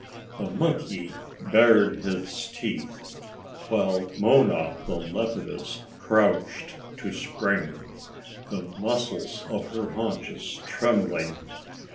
The monkey bared its teeth, while Mona, the leopardess, crouched to spring, the muscles of her haunches trembling.